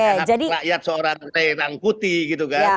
tidak ada hak rakyat seorang rangkuti gitu kan